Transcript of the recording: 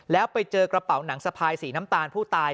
แล้วไปเจอกระเป๋าหนังสะพายสีน้ำตาลผู้ตาย